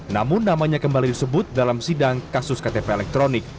namun namanya kembali disebut dalam sidang kasus ktp elektronik